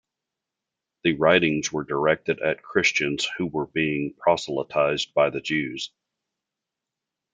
The writings were directed at Christians who were being proselytized by Jews.